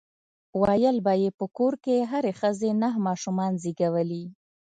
ويل به يې په کور کې هرې ښځې نهه ماشومان زيږولي.